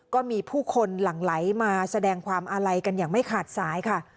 ก็มีผู้คนหลั่งไหลมาแสดงความอาลัยกันอย่างไม่ขาดสายค่ะ